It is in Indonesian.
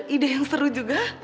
ide yang seru juga